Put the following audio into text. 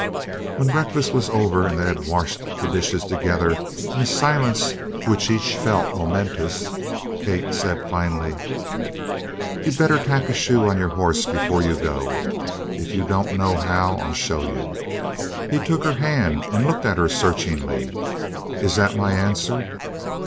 When breakfast was over and they had washed the dishes together in a silence which each felt momentous, Kate said finally: "You'd better tack a shoe on your horse before you go. If you don't know how, I'll show you." He took her hand and looked at her searchingly: "Is that my answer?"